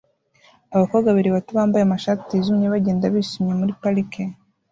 abakobwa babiri bato bambaye amashati yijimye bagenda bishimye muri parike